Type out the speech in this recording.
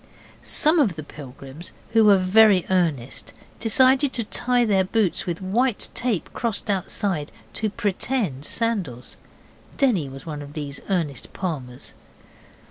Some of the pilgrims who were very earnest decided to tie their boots with white tape crossed outside to pretend sandals. Denny was one of these earnest palmers.